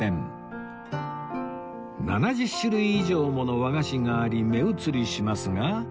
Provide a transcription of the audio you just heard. ７０種類以上もの和菓子があり目移りしますが